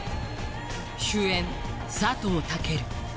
主演佐藤健